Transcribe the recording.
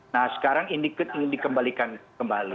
nah sekarang ini dikembalikan kembali